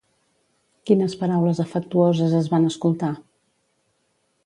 Quines paraules afectuoses es van escoltar?